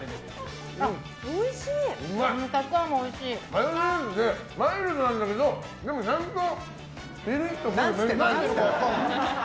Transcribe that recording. マヨネーズでマイルドなんだけどでもちゃんとピリッと来るね。